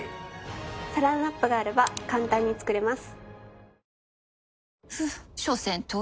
サランラップがあれば簡単に作れます。